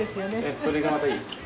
これがまたいいですよね。